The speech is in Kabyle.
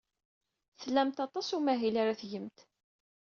Tlamt aṭas n umahil ara tgemt.